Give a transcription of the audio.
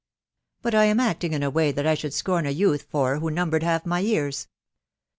But I am acting in a way that I should scorn a youth for who numbered half my years. .